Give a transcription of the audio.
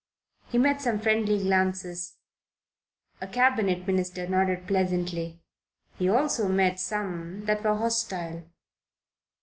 He met some friendly glances a Cabinet Minister nodded pleasantly. He also met some that were hostile.